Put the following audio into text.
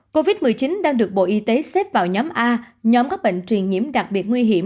covid một mươi chín đang được bộ y tế xếp vào nhóm a nhóm các bệnh truyền nhiễm đặc biệt nguy hiểm